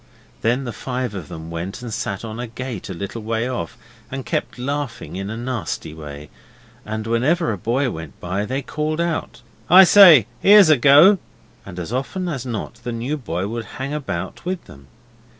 Then the five of them went and sat on a gate a little way off and kept laughing in a nasty way, and whenever a boy went by they called out 'I say, 'ere's a go,' and as often as not the new boy would hang about with them.